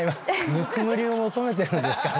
「温もりを求めてるんですかね」